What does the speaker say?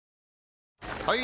・はい！